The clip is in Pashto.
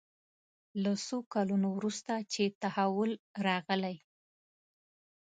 له څو کلونو وروسته چې تحول راغلی.